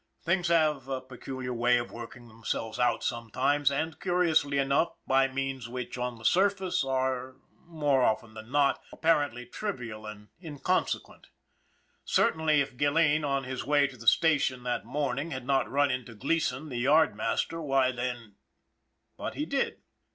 Things have a peculiar way of working themselves out sometimes, and, curiously enough, by means which, on the surface, are, more often than not, apparently trivial and incon sequent. Certainly, if Gilleen, on his way to the sta tion that morning, had not run into Gleason, the yard master, why then but he did.